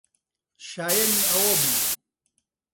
شایەنی ئەوە بوو.